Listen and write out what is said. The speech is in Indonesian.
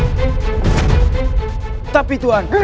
kita biarkan paku wulung dan imuni menyerang duluan